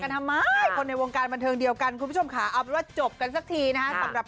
ทำไมคนในวงการบันเทิงเดียวกันคุณผู้ชมค่ะเอาเป็นว่าจบกันสักทีนะฮะสำหรับ